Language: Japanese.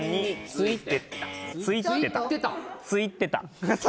・「ついってた」